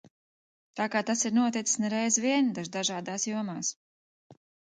Tā, kā tas ir noticis ne reizi vien daždažādās jomās.